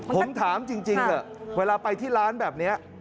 ผมถามจริงเถอะเวลาไปที่ร้านแบบนี้